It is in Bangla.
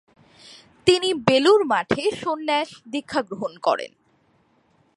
তিনি বেলুড় মঠে সন্ন্যাস-দীক্ষাগ্রহণ করেন।